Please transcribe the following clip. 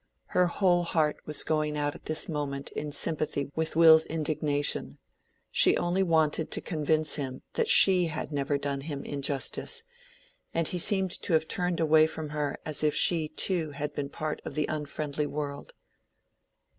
Her whole heart was going out at this moment in sympathy with Will's indignation: she only wanted to convince him that she had never done him injustice, and he seemed to have turned away from her as if she too had been part of the unfriendly world.